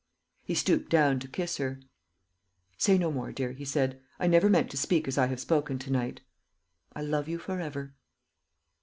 He stooped down to kiss her. "Say no more, dear," he said, "I never meant to speak as I have spoken to night. I love you for ever."